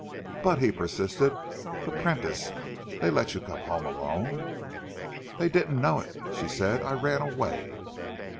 "But," he persisted. "The Prentice? They let you come home alone?" "They didn't know it," she said. "I ran away."